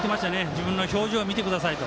自分の表情を見てくださいと。